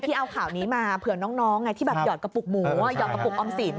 เอาข่าวนี้มาเผื่อน้องไงที่แบบหยอดกระปุกหมูหยอดกระปุกออมสิน